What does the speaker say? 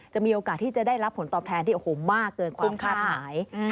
มีโอกาสที่จะได้รับผลตอบแทนที่โอ้โหมากเกินความคาดหมาย